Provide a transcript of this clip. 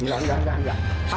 mila enggak enggak enggak